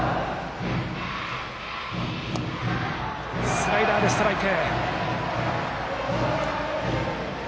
スライダーでストライク。